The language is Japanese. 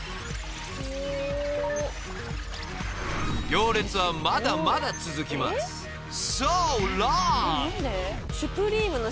［行列はまだまだ続きますソーロング！］